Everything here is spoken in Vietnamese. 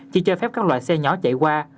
chỉ cho phép các loại xe nhỏ chạy qua